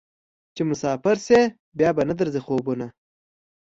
چې مسافر شې بیا به نه درځي خوبونه